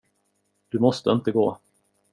Du måste inte gå.